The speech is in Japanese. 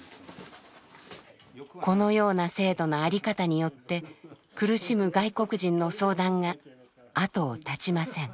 このような制度の在り方によって苦しむ外国人の相談が後を絶ちません。